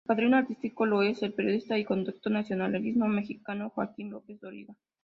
Su padrino artístico lo es el periodista y conductor nacionalizado mexicano Joaquín López-Dóriga.